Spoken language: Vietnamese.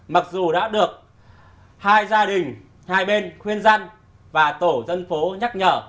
mặc dù đã được hai gia đình hai bên khuyên dân và tổ dân phố nhắc nhở